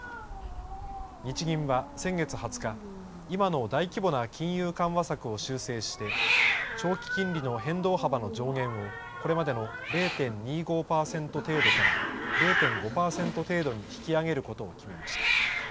日銀は先月２０日今の大規模な金融緩和策を修正して長期金利の変動幅の上限をこれまでの０．２５パーセント程度から０．５パーセント程度に引き上げることを決めました。